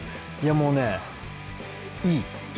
もうね、いい！